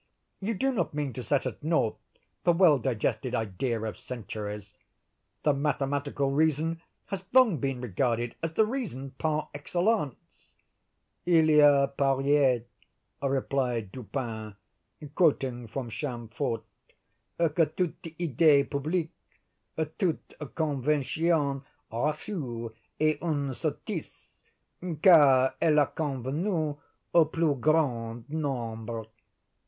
You do not mean to set at naught the well digested idea of centuries. The mathematical reason has long been regarded as the reason par excellence." "'Il y a à parièr,'" replied Dupin, quoting from Chamfort, "'que toute idée publique, toute convention reçue est une sottise, car elle a convenue au plus grand nombre.